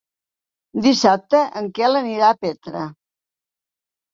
Dissabte en Quel anirà a Petra.